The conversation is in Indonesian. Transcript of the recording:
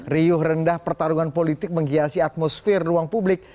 riuh rendah pertarungan politik menghiasi atmosfer ruang publik